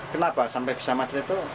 kenapa sampai bisa macet itu